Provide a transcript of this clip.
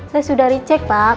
saya sudah dicek pak